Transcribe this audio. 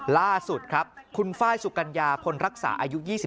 ล่าสุดครับคุณไฟล์สุกัญญาพลรักษาอายุ๒๕